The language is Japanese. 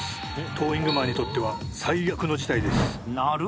トーイングマンにとっては最悪の事態です。